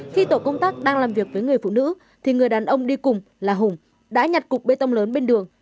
khi tổ công tác đang làm việc với người phụ nữ thì người đàn ông đi cùng là hùng đã nhặt cục bê tông lớn bên đường